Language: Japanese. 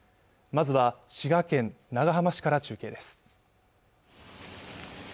まずは滋賀県長浜市から中継です